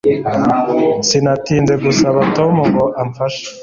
Sinatinze gusaba Tom ngo amfashe